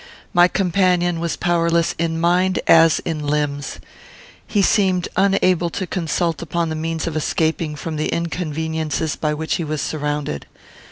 My companion was powerless in mind as in limbs. He seemed unable to consult upon the means of escaping from the inconveniences by which he was surrounded.